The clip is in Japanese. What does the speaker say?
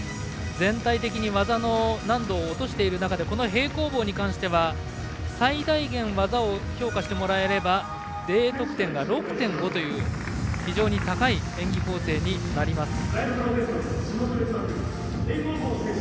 全体的に技の難度を落としている中でこの平行棒に関しては最大限技を評価してもらえればＤ得点が６．５という非常に高い演技構成になります。